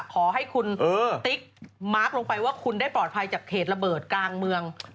ขอให้คุณติ๊กมาร์คลงไปว่าคุณได้ปลอดภัยจากเหตุระเบิดกลางเมือง